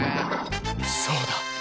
そうだ！